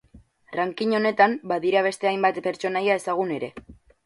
Ranking honetan badira beste hainbat pertsonaia ezagun ere.